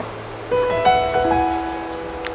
ไหมเนี่ย